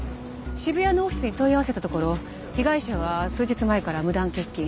渋谷のオフィスに問い合わせたところ被害者は数日前から無断欠勤。